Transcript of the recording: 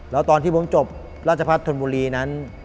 แล้วตอนที่ผมจบราชพัฒนธนบุรีนั้น